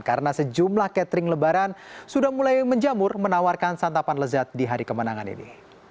karena sejumlah catering lebaran sudah mulai menjamur menawarkan santapan lezat di hari kemenangan ini